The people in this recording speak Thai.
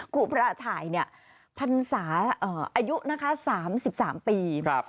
ครูบาฉายเนี่ยพรรษาอายุนะคะ๓๓ปี